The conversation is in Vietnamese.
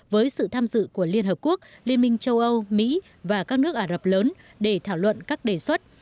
với sự tham dự của liên hợp quốc liên minh châu âu mỹ và các nước ả rập lớn để thảo luận các đề xuất